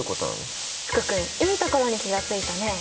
福君いいところに気が付いたね。